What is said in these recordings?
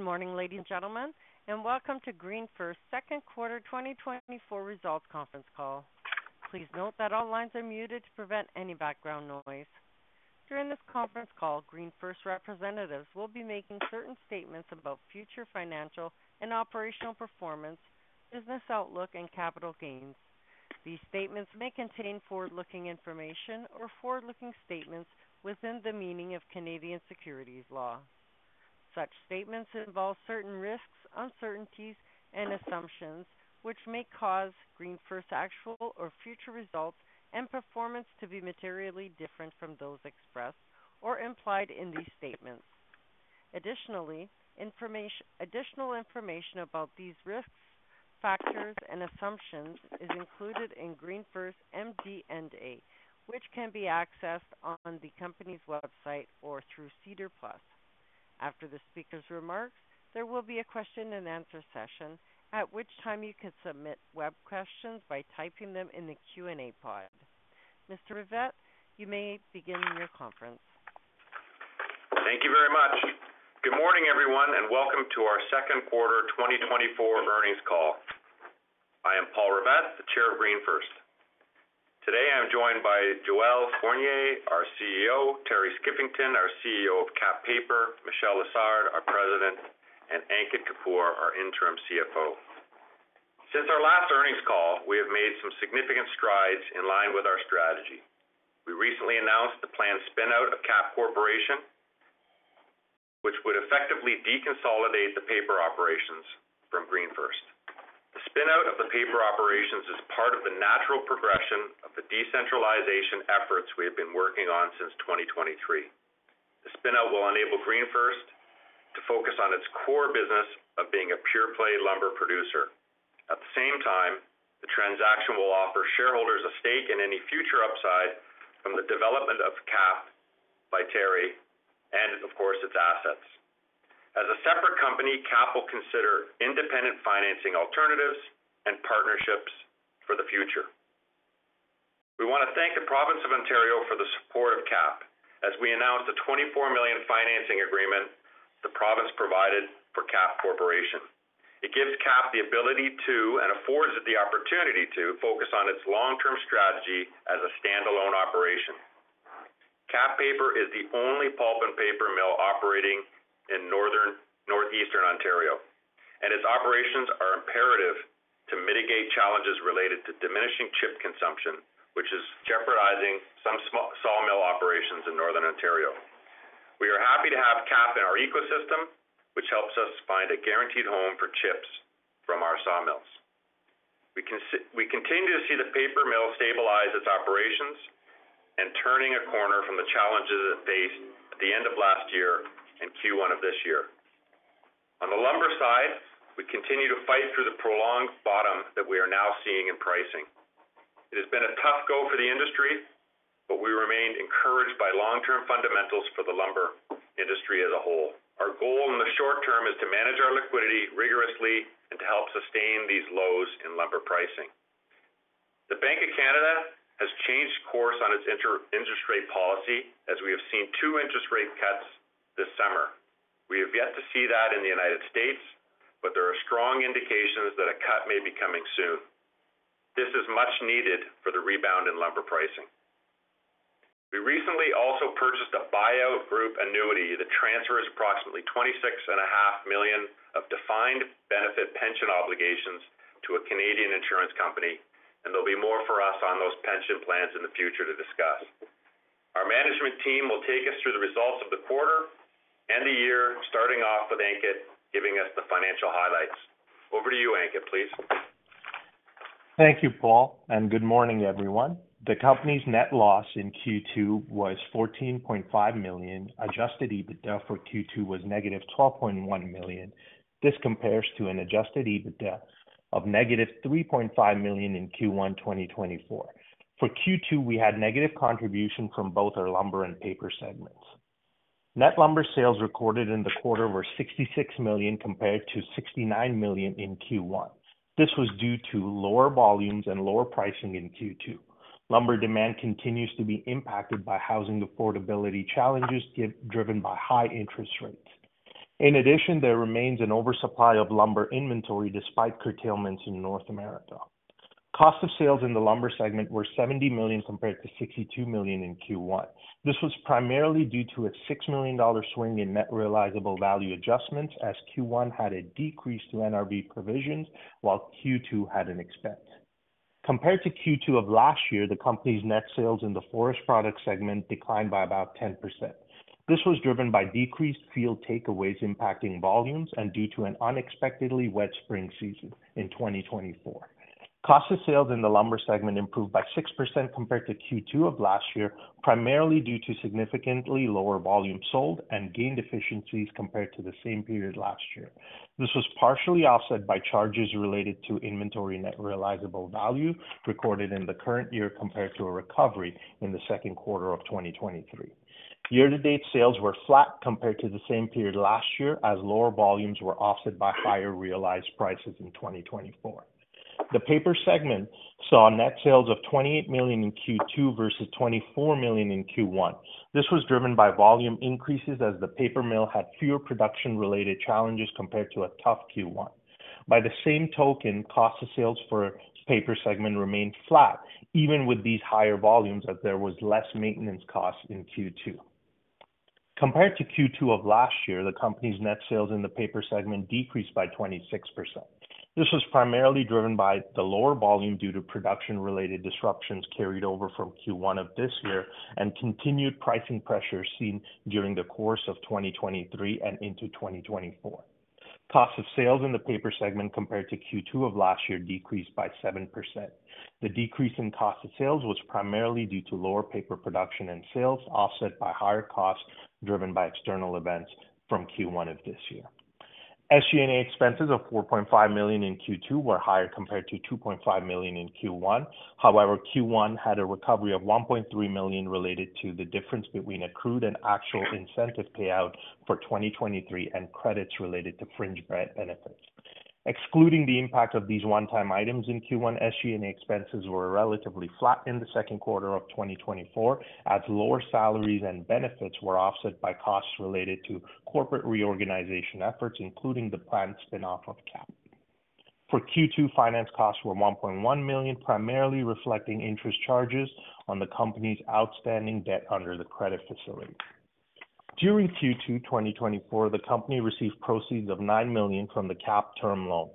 Good morning, ladies and gentlemen, and welcome to GreenFirst second quarter 2024 results conference call. Please note that all lines are muted to prevent any background noise. During this conference call, GreenFirst representatives will be making certain statements about future financial and operational performance, business outlook, and capital gains. These statements may contain forward-looking information or forward-looking statements within the meaning of Canadian securities law. Such statements involve certain risks, uncertainties, and assumptions which may cause GreenFirst actual or future results and performance to be materially different from those expressed or implied in these statements. Additionally, additional information about these risks, factors, and assumptions is included in GreenFirst MD&A, which can be accessed on the company's website or through SEDAR+. After the speaker's remarks, there will be a question-and-answer session, at which time you can submit web questions by typing them in the Q&A pod. Mr. Rivett, you may begin your conference. Thank you very much. Good morning, everyone, and welcome to our second quarter 2024 earnings call. I am Paul Rivett, the chair of GreenFirst. Today, I'm joined by Joel Fournier, our CEO, Terry Skiffington, our CEO of Kap Paper, Michel Lessard, our president, and Ankit Kapoor, our interim CFO. Since our last earnings call, we have made some significant strides in line with our strategy. We recently announced the planned spin-out of Kap Corporation, which would effectively deconsolidate the paper operations from GreenFirst. The spin-out of the paper operations is part of the natural progression of the decentralization efforts we have been working on since 2023. The spin-out will enable GreenFirst to focus on its core business of being a pure-play lumber producer. At the same time, the transaction will offer shareholders a stake in any future upside from the development of Kap by Terry and, of course, its assets. As a separate company, Kap will consider independent financing alternatives and partnerships for the future. We want to thank the Province of Ontario for the support of Kap as we announce the 24 million financing agreement the province provided for Kap Corporation. It gives Kap the ability to, and affords it the opportunity to, focus on its long-term strategy as a standalone operation. Kap Paper is the only pulp and paper mill operating in Northeastern Ontario, and its operations are imperative to mitigate challenges related to diminishing chip consumption, which is jeopardizing some sawmill operations in Northern Ontario. We are happy to have Kap in our ecosystem, which helps us find a guaranteed home for chips from our sawmills. We continue to see the paper mill stabilize its operations and turning a corner from the challenges it faced at the end of last year in Q1 of this year. On the lumber side, we continue to fight through the prolonged bottom that we are now seeing in pricing. It has been a tough go for the industry, but we remain encouraged by long-term fundamentals for the lumber industry as a whole. Our goal in the short term is to manage our liquidity rigorously and to help sustain these lows in lumber pricing. The Bank of Canada has changed course on its interest rate policy, as we have seen 2 interest rate cuts this summer. We have yet to see that in the United States, but there are strong indications that a cut may be coming soon. This is much needed for the rebound in lumber pricing. We recently also purchased a buyout group annuity that transfers approximately 26.5 million of defined benefit pension obligations to a Canadian insurance company, and there'll be more for us on those pension plans in the future to discuss. Our management team will take us through the results of the quarter and the year, starting off with Ankit, giving us the financial highlights. Over to you, Ankit, please. Thank you, Paul, and good morning, everyone. The company's net loss in Q2 was 14.5 million. Adjusted EBITDA for Q2 was negative 12.1 million. This compares to an adjusted EBITDA of negative 3.5 million in Q1 2024. For Q2, we had negative contribution from both our lumber and paper segments. Net lumber sales recorded in the quarter were 66 million, compared to 69 million in Q1. This was due to lower volumes and lower pricing in Q2. Lumber demand continues to be impacted by housing affordability challenges, yet driven by high interest rates. In addition, there remains an oversupply of lumber inventory despite curtailments in North America. Cost of sales in the lumber segment were 70 million, compared to 62 million in Q1. This was primarily due to a 6 million dollar swing in net realizable value adjustments, as Q1 had a decrease to NRV provisions, while Q2 had an expense. Compared to Q2 of last year, the company's net sales in the forest products segment declined by about 10%. This was driven by decreased field takeaways impacting volumes and due to an unexpectedly wet spring season in 2024. Cost of sales in the lumber segment improved by 6% compared to Q2 of last year, primarily due to significantly lower volume sold and gained efficiencies compared to the same period last year. This was partially offset by charges related to inventory net realizable value recorded in the current year, compared to a recovery in the second quarter of 2023. Year-to-date sales were flat compared to the same period last year, as lower volumes were offset by higher realized prices in 2024. The paper segment saw net sales of 28 million in Q2 versus 24 million in Q1. This was driven by volume increases as the paper mill had fewer production-related challenges compared to a tough Q1. By the same token, cost of sales for paper segment remained flat, even with these higher volumes, as there was less maintenance costs in Q2. Compared to Q2 of last year, the company's net sales in the paper segment decreased by 26%. This was primarily driven by the lower volume due to production-related disruptions carried over from Q1 of this year, and continued pricing pressures seen during the course of 2023 and into 2024. Cost of sales in the paper segment compared to Q2 of last year decreased by 7%. The decrease in cost of sales was primarily due to lower paper production and sales, offset by higher costs driven by external events from Q1 of this year. SG&A expenses of 4.5 million in Q2 were higher compared to 2.5 million in Q1. However, Q1 had a recovery of 1.3 million related to the difference between accrued and actual incentive payout for 2023 and credits related to fringe benefits. Excluding the impact of these one-time items in Q1, SG&A expenses were relatively flat in the second quarter of 2024, as lower salaries and benefits were offset by costs related to corporate reorganization efforts, including the planned spin-off of Kap. For Q2, finance costs were 1.1 million, primarily reflecting interest charges on the company's outstanding debt under the credit facility. During Q2 2024, the company received proceeds of 9 million from the Kap term loan.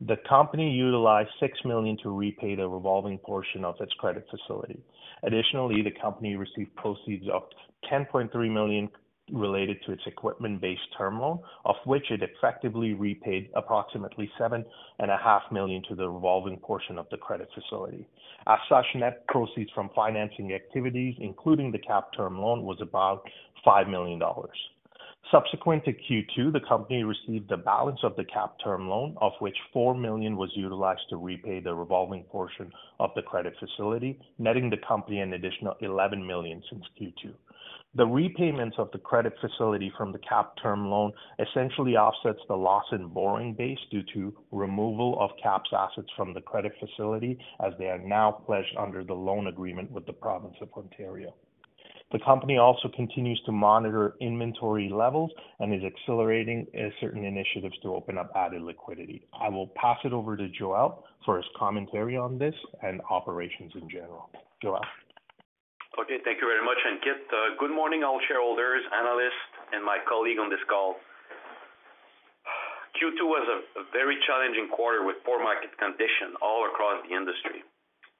The company utilized 6 million to repay the revolving portion of its credit facility. Additionally, the company received proceeds of 10.3 million related to its equipment-based term loan, of which it effectively repaid approximately 7.5 million to the revolving portion of the credit facility. As such, net proceeds from financing activities, including the Kap term loan, was about 5 million dollars. Subsequent to Q2, the company received the balance of the Kap term loan, of which 4 million was utilized to repay the revolving portion of the credit facility, netting the company an additional 11 million since Q2. The repayments of the credit facility from the Kap term loan essentially offsets the loss in borrowing base due to removal of Kap's assets from the credit facility, as they are now pledged under the loan agreement with the Province of Ontario. The company also continues to monitor inventory levels and is accelerating certain initiatives to open up added liquidity. I will pass it over to Joel for his commentary on this and operations in general. Joel? Okay, thank you very much, and good morning, all shareholders, analysts, and my colleague on this call. Q2 was a very challenging quarter with poor market conditions all across the industry.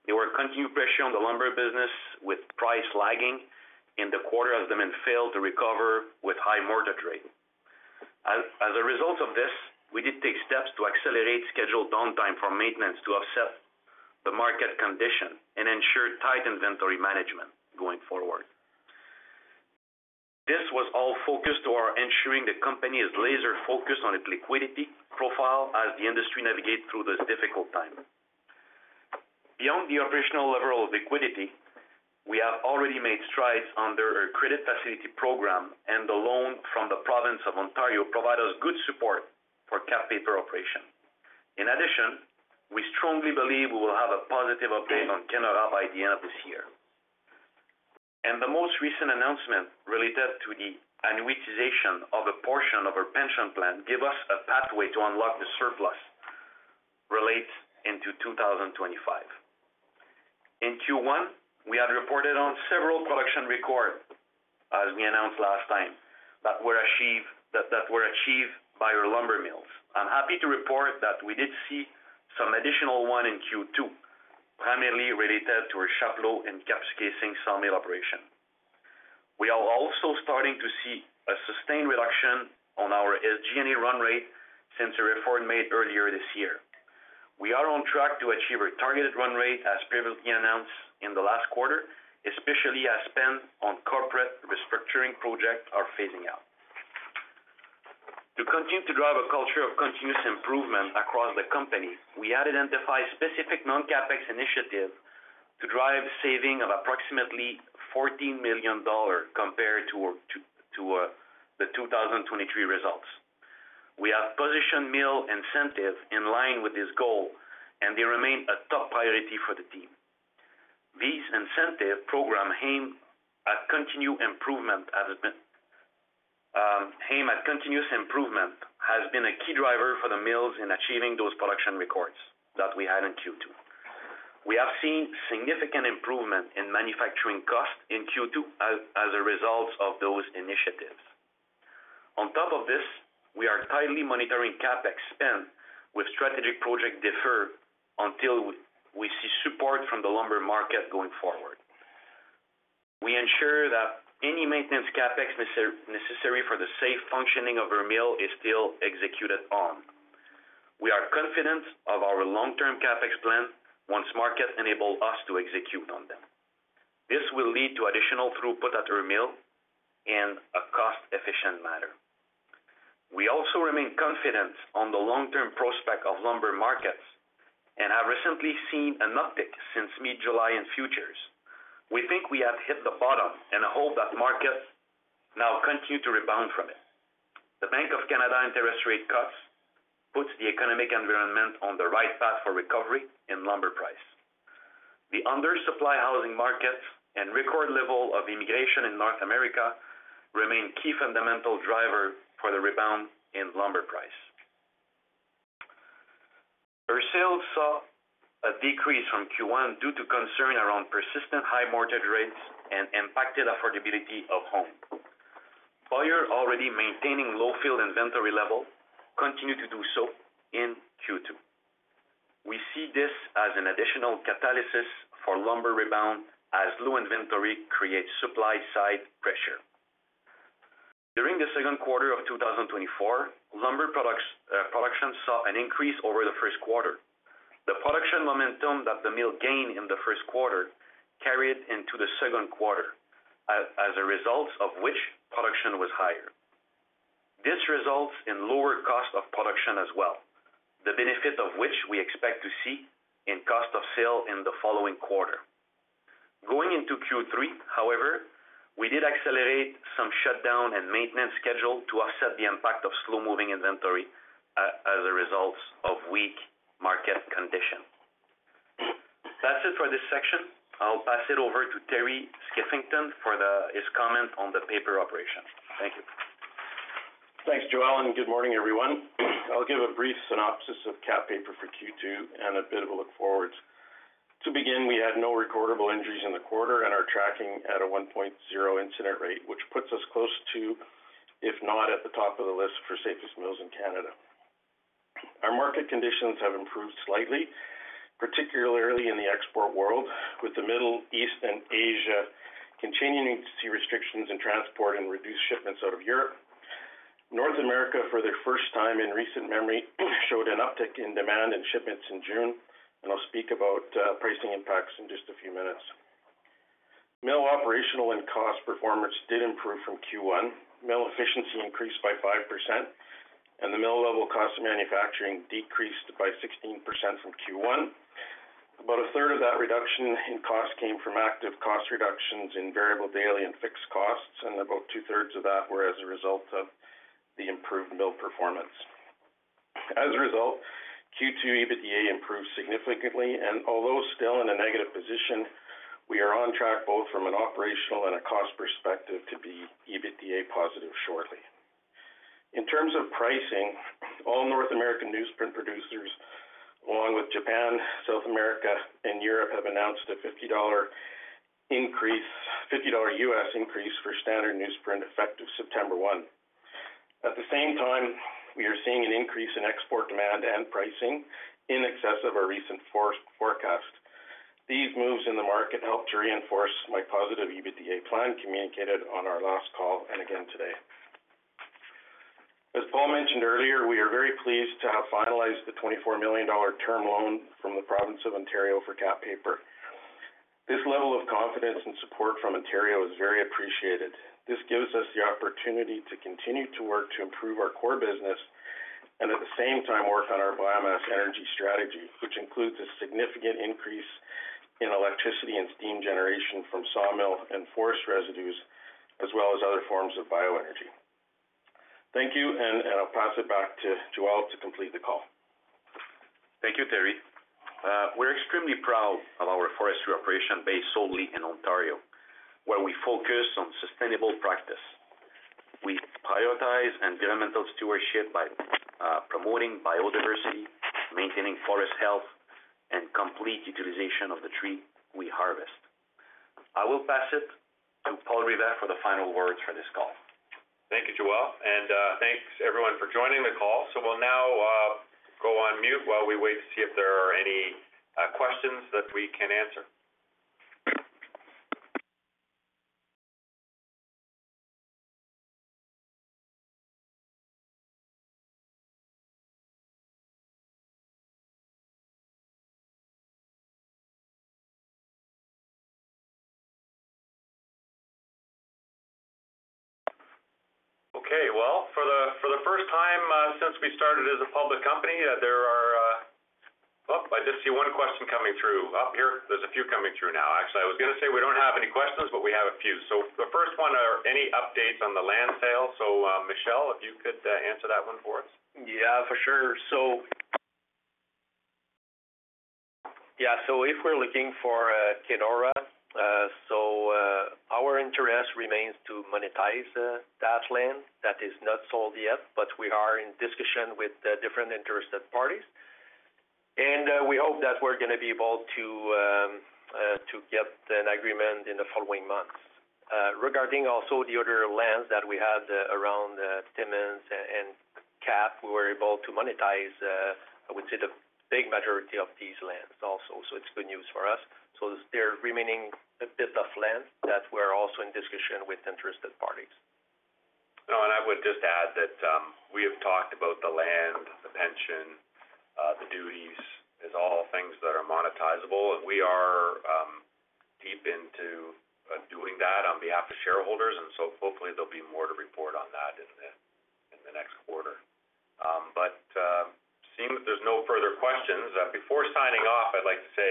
There were continued pressure on the lumber business, with price lagging in the quarter as demand failed to recover with high mortgage rates. As a result of this, we did take steps to accelerate scheduled downtime for maintenance to offset the market condition and ensure tight inventory management going forward. This was all focused on ensuring the company is laser-focused on its liquidity profile as the industry navigates through this difficult time. Beyond the operational level of liquidity, we have already made strides under our credit facility program, and the loan from the Province of Ontario provide us good support for Kap Paper operation. In addition, we strongly believe we will have a positive update on Canada by the end of this year. And the most recent announcement related to the annuitization of a portion of our pension plan, give us a pathway to unlock the surplus relates into 2025. In Q1, we had reported on several production records, as we announced last time, that were achieved by our lumber mills. I'm happy to report that we did see some additional one in Q2, primarily related to our Chapleau and Kapuskasing sawmill operation. We are also starting to see a sustained reduction on our SG&A run rate since the reform made earlier this year. We are on track to achieve our targeted run rate, as previously announced in the last quarter, especially as spent on corporate restructuring projects are phasing out. To continue to drive a culture of continuous improvement across the company, we have identified specific non-CapEx initiatives to drive saving of approximately 14 million dollars compared to the 2023 results. We have positioned mill incentives in line with this goal, and they remain a top priority for the team. These incentive program aim at continuous improvement, has been a key driver for the mills in achieving those production records that we had in Q2. We have seen significant improvement in manufacturing costs in Q2 as a result of those initiatives. On top of this, we are tightly monitoring CapEx spend with strategic project deferred until we see support from the lumber market going forward. We ensure that any maintenance CapEx necessary for the safe functioning of our mill is still executed on. We are confident of our long-term CapEx plan once market enable us to execute on them. This will lead to additional throughput at our mill in a cost-efficient manner. We also remain confident on the long-term prospect of lumber markets and have recently seen an uptick since mid-July in futures. We think we have hit the bottom and hope that markets now continue to rebound from it. The Bank of Canada interest rate cuts puts the economic environment on the right path for recovery in lumber price. The under supply housing market and record level of immigration in North America remain key fundamental driver for the rebound in lumber price. Our sales saw a decrease from Q1 due to concern around persistent high mortgage rates and impacted affordability of home. Buyers already maintaining low field inventory level continue to do so in Q2. We see this as an additional catalysis for lumber rebound as low inventory creates supply side pressure. During the second quarter of 2024, lumber products production saw an increase over the first quarter. The production momentum that the mill gained in the first quarter carried into the second quarter, as a result of which, production was higher. This results in lower cost of production as well, the benefit of which we expect to see in cost of sale in the following quarter. Going into Q3, however, we did accelerate some shutdown and maintenance schedule to offset the impact of slow-moving inventory, as a result of weak market condition. That's it for this section. I'll pass it over to Terry Skiffington for his comment on the paper operation. Thank you. Thanks, Joel, and good morning, everyone. I'll give a brief synopsis of Kap Paper for Q2 and a bit of a look forward. To begin, we had no recordable injuries in the quarter and are tracking at a 1.0 incident rate, which puts us close to, if not at the top of the list, for safest mills in Canada. Our market conditions have improved slightly, particularly in the export world, with the Middle East and Asia continuing to see restrictions in transport and reduced shipments out of Europe. North America, for the first time in recent memory, showed an uptick in demand and shipments in June, and I'll speak about pricing impacts in just a few minutes. Mill operational and cost performance did improve from Q1. Mill efficiency increased by 5%, and the mill level cost of manufacturing decreased by 16% from Q1. About a third of that reduction in cost came from active cost reductions in variable, daily, and fixed costs, and about two-thirds of that were as a result of the improved mill performance. As a result, Q2 EBITDA improved significantly, and although still in a negative position, we are on track both from an operational and a cost perspective to be EBITDA positive shortly. In terms of pricing, all North American newsprint producers, along with Japan, South America, and Europe, have announced a $50 increase, $50 US increase for standard newsprint, effective September 1. At the same time, we are seeing an increase in export demand and pricing in excess of our recent forecast. These moves in the market help to reinforce my positive EBITDA plan communicated on our last call and again today. As Paul mentioned earlier, we are very pleased to have finalized the 24 million dollar term loan from the Province of Ontario for Kap Paper. This level of confidence and support from Ontario is very appreciated. This gives us the opportunity to continue to work to improve our core business and at the same time work on our biomass energy strategy, which includes a significant increase in electricity and steam generation from sawmill and forest residues, as well as other forms of bioenergy. Thank you, and I'll pass it back to Joel to complete the call. Thank you, Terry. We're extremely proud of our forestry operation based solely in Ontario, where we focus on sustainable practice. We prioritize environmental stewardship by promoting biodiversity, maintaining forest health, and complete utilization of the tree we harvest. I will pass it to Paul Rivett for the final words for this call. Thank you, Joel, and thanks everyone for joining the call. So we'll now go on mute while we wait to see if there are any questions that we can answer. Okay, well, for the first time since we started as a public company, there are... Well, I just see one question coming through. Oh, here, there's a few coming through now, actually. I was gonna say we don't have any questions, but we have a few. So the first one, are any updates on the land sale? So, Michel, if you could answer that one for us. Yeah, for sure. So, yeah, so if we're looking for Kenora, so our interest remains to monetize that land. That is not sold yet, but we are in discussion with the different interested parties, and we hope that we're gonna be able to to get an agreement in the following months. Regarding also the other lands that we have around Timmins and Kap, we were able to monetize, I would say, the big majority of these lands also, so it's good news for us. So there are remaining a bit of land that we're also in discussion with interested parties. Oh, and I would just add that, we have talked about the land, the pension, the duties, as all things that are monetizable, and we are, deep into, doing that on behalf of shareholders, and so hopefully there'll be more to report on that in the, in the next quarter. But, seeing that there's no further questions, before signing off, I'd like to say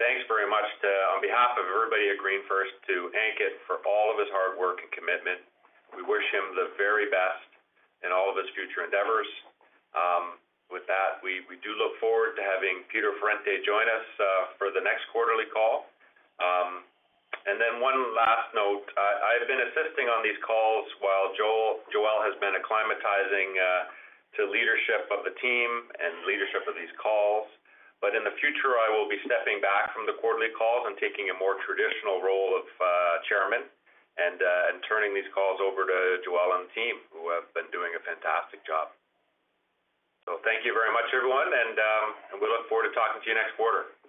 thanks very much to, on behalf of everybody at GreenFirst, to Ankit for all of his hard work and commitment. We wish him the very best in all of his future endeavors. With that, we, we do look forward to having Peter Ferrante join us, for the next quarterly call. And then one last note, I've been assisting on these calls while Joel has been acclimatizing to leadership of the team and leadership of these calls, but in the future, I will be stepping back from the quarterly calls and taking a more traditional role of chairman and turning these calls over to Joel and the team, who have been doing a fantastic job. So thank you very much, everyone, and we look forward to talking to you next quarter.